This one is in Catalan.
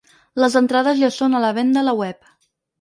Les entrades ja són a la venda a la web.